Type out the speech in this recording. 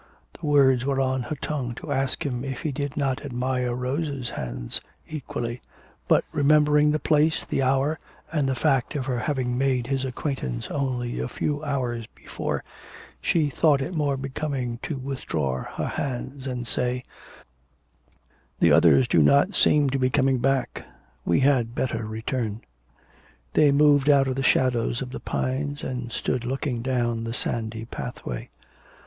The words were on her tongue to ask him if he did not admire Rose's hands equally, but remembering the place, the hour, and the fact of her having made his acquaintance only a few hours before, she thought it more becoming to withdraw her hands, and to say: 'The others do not seem to be coming back. We had better return.' They moved out of the shadows of the pines, and stood looking down the sandy pathway.